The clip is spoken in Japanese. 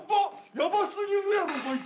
ヤバすぎるやろこいつ。